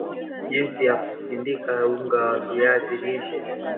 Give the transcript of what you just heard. Jinsi ya kusindika unga wa viazi lishe